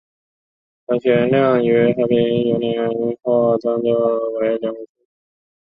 张玄靓于和平元年获张祚封为凉武侯。